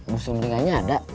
busur mendingannya ada